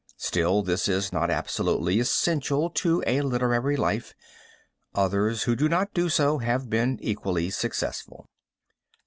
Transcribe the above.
Still this is not absolutely essential to a literary life. Others who do not do so have been equally successful.